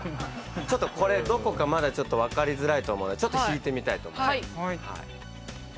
ちょっとこれどこかまだちょっと分かりづらいと思うのでちょっと引いてみたいと思います。